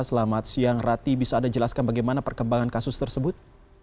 selamat siang rati bisa anda jelaskan bagaimana perkembangan kasus tersebut